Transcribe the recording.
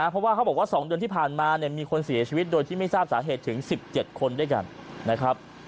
เพราะว่าเขาบอกว่า๒เดือนที่ผ่านมาเนี่ยมีคนเสียชีวิตโดยที่ไม่ทราบสาเหตุถึง๑๗คนด้วยกันนะครับ